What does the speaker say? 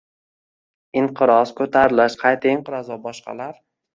Inqiroz, ko'tarilish, qayta inqiroz va boshqalar